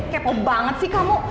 kepo banget sih kamu